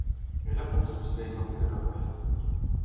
Ilaq ad temmeslayem akked Rabaḥ.